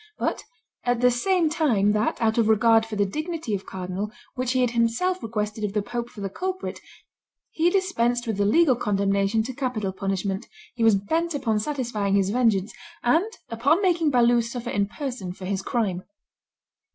But at the same time that, out of regard for the dignity of cardinal, which he had himself requested of the pope for the culprit, he dispensed with the legal condemnation to capital punishment, he was bent upon satisfying his vengeance, and upon making Balue suffer in person for his crime.